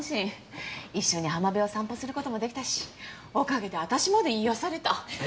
一緒に浜辺を散歩する事も出来たしおかげで私まで癒やされた。